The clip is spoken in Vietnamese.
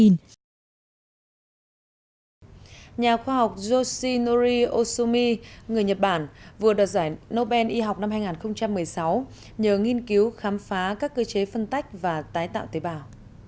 nhà khoa học joshinori osumi người nhật bản vừa đoạt giải nobel y học năm hai nghìn một mươi sáu nhờ nghiên cứu khám phá các cơ chế phân tách và tái tạo tế bào